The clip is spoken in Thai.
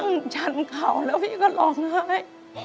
นั่งฉันเข่าแล้วพี่ก็หล่อง้าย